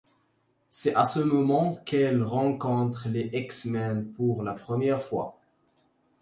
C'est à ce moment qu'elle rencontre les X-Men pour la première fois.